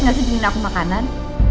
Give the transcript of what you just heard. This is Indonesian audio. ngasih jengin aku makanan